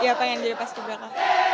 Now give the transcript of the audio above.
iya pengen jadi paski braka